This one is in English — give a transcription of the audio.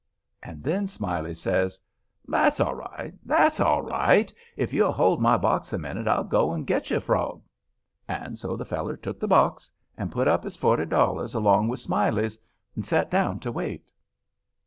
And then Smiley says, "That's all right—that's all right—if you'll hold my box a minute, I'll go and get you a frog." And so the feller took the box, and put up his forty dollars along with Smiley's, and set down to wait.